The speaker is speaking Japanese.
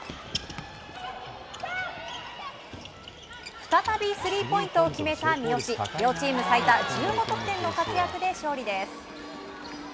再び３ポイントを決めた三好両チーム最多１５得点の活躍で勝利です。